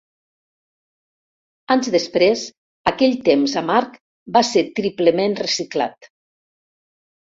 Anys després, aquell temps amarg va ser triplement reciclat.